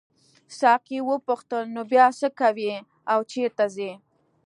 ساقي وپوښتل نو بیا څه کوې او چیرته ځې.